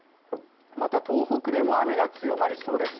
また、東北でも雨が強まりそうです。